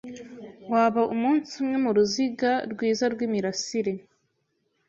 Waba umunsi umwe muruziga rwiza rwimirasire